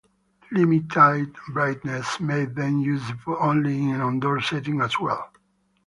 Limited brightness made them useful only in indoor settings as well.